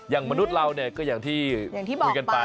อย่างมนุษย์เราก็อย่างที่คุยกันไป